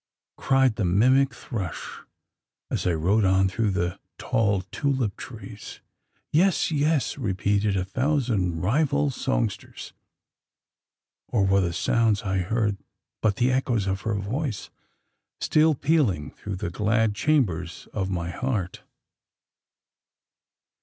cried the mimic thrush, as I rode on through the tall tulip trees. "Yes yes!" repeated a thousand rival songsters; or were the sounds I heard but the echoes of her voice, still pealing through the glad chambers of my heart?